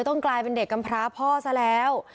ต้องกลายเป็นเด็กกำพร้าพ่อซะแล้ว